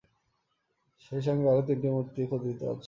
সেই সঙ্গে আরও তিনটি মূর্তিও খোদিত আছে।